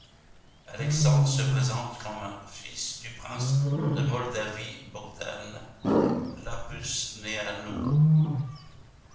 Alexandre se présente comme un fils du prince de Moldavie Bogdan Lăpusneanu.